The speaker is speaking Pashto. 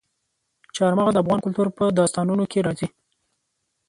چار مغز د افغان کلتور په داستانونو کې راځي.